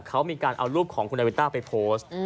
เขามีการเอารูปของคุณนาวินต้าไปโพสต์